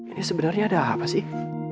ini sebenarnya ada apa sih